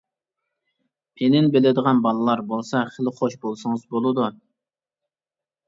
پىنيىن بىلىدىغان بالىلار بولسا خېلى خوش بولسىڭىز بولىدۇ.